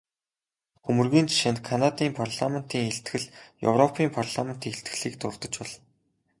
Хөмрөгийн жишээнд Канадын парламентын илтгэл, европын парламентын илтгэлийг дурдаж болно.